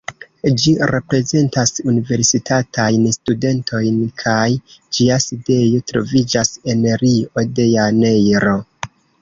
Ĝi reprezentas universitatajn studentojn kaj ĝia sidejo troviĝas en Rio de Janeiro.